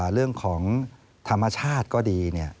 เรื่องของธรรมชาติก็ดี